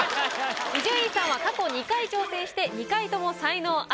伊集院さんは過去２回挑戦して２回とも才能アリ。